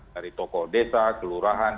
dari tokoh desa kelurahan